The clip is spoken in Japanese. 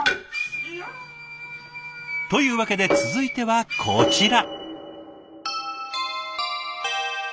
というわけで続いてはこちら。